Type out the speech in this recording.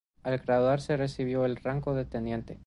Al graduarse recibió el rango de teniente.